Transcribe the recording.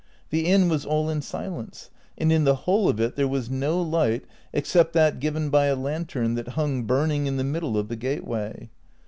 The inn was all in silence, and in the whole of it there was no light except that given by a lantern that hung burning in the middle of the gateway.